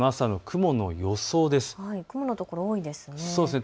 雲のところが多いですね。